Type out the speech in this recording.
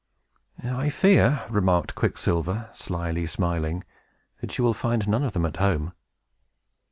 "I fear," remarked Quicksilver, slyly smiling, "that you will find none of them at home."